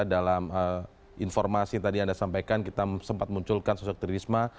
dalam informasi yang tadi anda sampaikan kita sempat munculkan sosok tririsma